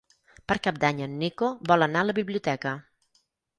Per Cap d'Any en Nico vol anar a la biblioteca.